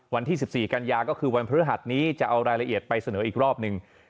วันที่๑๔กันยาก็คือวันพฤหัสนี้จะเอารายละเอียดไปเสนออีกรอบหนึ่ง